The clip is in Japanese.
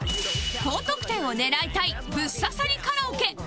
高得点を狙いたいブッ刺さりカラオケ